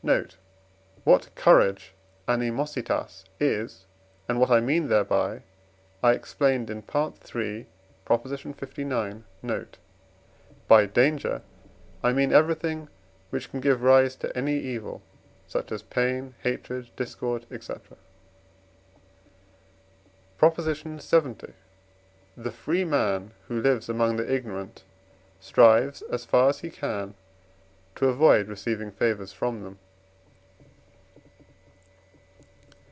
Note. What courage (animositas) is, and what I mean thereby, I explained in III. lix. note. By danger I mean everything, which can give rise to any evil, such as pain, hatred, discord, &c. PROP. LXX. The free man, who lives among the ignorant, strives, as far as he can, to avoid receiving favours from them.